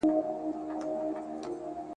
سترګي ما درته درکړي چي مي وکړې دیدنونه !.